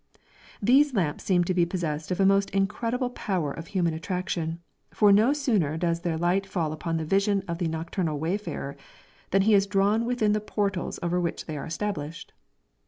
These lamps seem to be possessed of a most incredible power of human attraction, for no sooner does their light fall upon the vision of the nocturnal wayfarer, than he is drawn within the portals over which they are established.